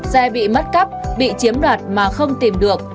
xe bị mất cắp bị chiếm đoạt mà không tìm được